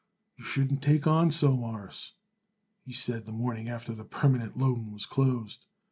"You shouldn't take on so, Mawruss," he said, the morning after the permanent loan was closed.